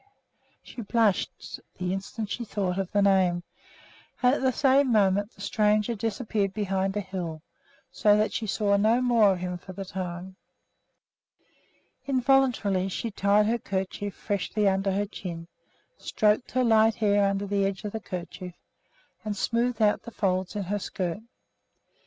She blushed the instant she thought of the name, and at the same moment the stranger disappeared behind a hill, so that she saw no more of him for the time. Involuntarily she tied her kerchief freshly under her chin, stroked her light hair under the edge of the kerchief, and smoothed out the folds in her skirt.